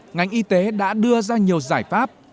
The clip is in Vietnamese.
ngành y tế đã đưa ra nhiều giải pháp